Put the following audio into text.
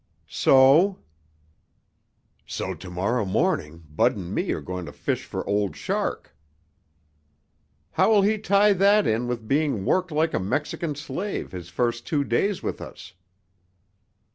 "So?" "So tomorrow morning Bud and me are going to fish for Old Shark." "How will he tie that in with being worked like a Mexican slave his first two days with us?"